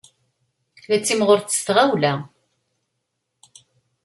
La ttimɣurent s tɣawla.